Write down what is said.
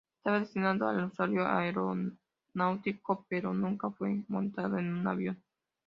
Estaba destinado al uso aeronáutico, pero nunca fue montado en un avión.